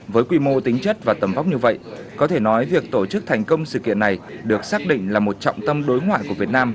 với quy mô tính chất và tầm vóc như vậy có thể nói việc tổ chức thành công sự kiện này được xác định là một trọng tâm đối ngoại của việt nam